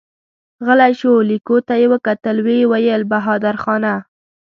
غلی شو، ليکو ته يې وکتل، ويې ويل: بهادرخانه!